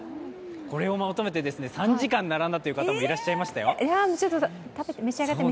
これを求めて３時間並んだという方もいらっしゃいましたよ。